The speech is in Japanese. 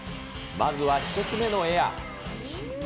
まずは１つ目のエア。